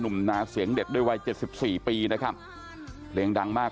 เหมือนดังกังบันดาล